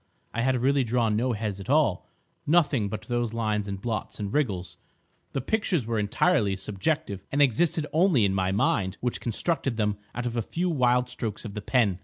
I had really drawn no heads at all—nothing but those lines and blots and wriggles. The pictures were entirely subjective, and existed only in my mind which constructed them out of a few wild strokes of the pen.